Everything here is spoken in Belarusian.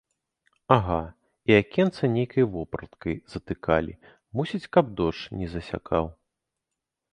Ага, і акенца нейкай вопраткай затыкалі, мусіць, каб дождж не засякаў.